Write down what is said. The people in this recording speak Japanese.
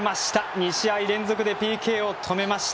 ２試合連続でＰＫを止めました。